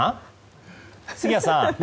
杉谷さん？